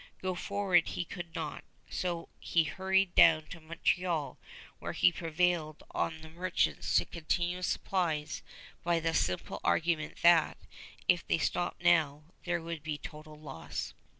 Go forward he could not, so he hurried down to Montreal, where he prevailed on the merchants to continue supplies by the simple argument that, if they stopped now, there would be total loss.